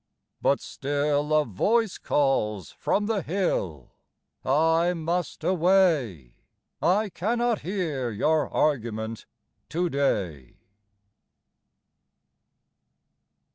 But still A voice calls from the hill— I must away— I cannot hear your argument to day.